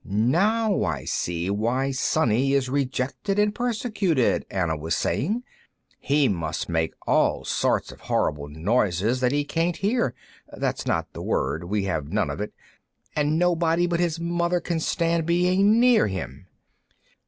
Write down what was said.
"Now I see why Sonny is rejected and persecuted," Anna was saying. "He must make all sorts of horrible noises that he can't hear ... that's not the word; we have none for it ... and nobody but his mother can stand being near him."